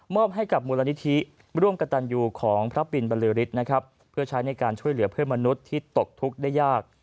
ให้กับมูลนิธิร่วมกระตันยูของพระปินบรือฤทธิ์นะครับเพื่อใช้ในการช่วยเหลือเพื่อนมนุษย์ที่ตกทุกข์ได้ยาก